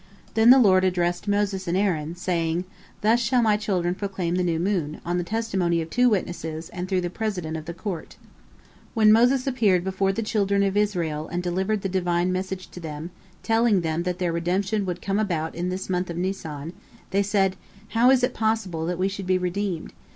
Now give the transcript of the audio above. Then the Lord addressed Moses and Aaron, saying, "Thus shall My children proclaim the new moon, on the testimony of two witnesses and through the president of the court. When Moses appeared before the children of Israel and delivered the Divine message to them, telling them that their redemption would come about in this month of Nisan, they said: "How is it possible that we should be redeemed?